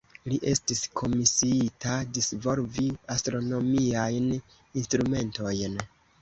Li estis komisiita disvolvi astronomiajn instrumentojn.